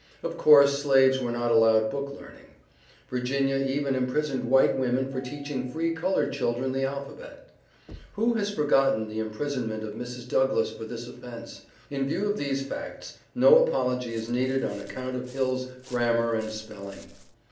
Of course, slaves were not allowed book learning. Virginia even imprisoned white women for teaching free colored children the alphabet. Who has forgotten the imprisonment of Mrs. Douglass for this offense? In view of these facts, no apology is needed on account of Hill's grammar and spelling.